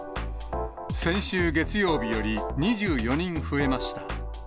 先週月曜日より２４人増えました。